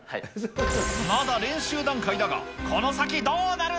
まだ練習段階だが、この先どうなる？